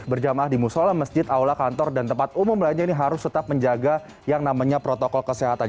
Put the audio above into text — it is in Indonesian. berjamaah di musola masjid aula kantor dan tempat umum lainnya ini harus tetap menjaga yang namanya protokol kesehatan